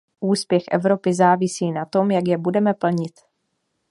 Úspěch Evropy závisí na tom, jak je budeme plnit.